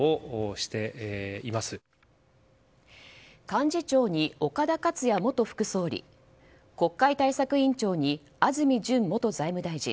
幹事長に岡田克也元副総理国会対策委員長に安住淳元財務大臣。